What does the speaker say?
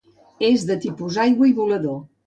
És de tipus aigua i volador.